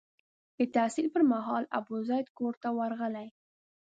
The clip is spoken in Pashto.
د تحصیل پر مهال ابوزید کور ته ورغلی.